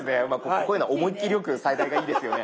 こういうのは思い切りよく最大がいいですよね。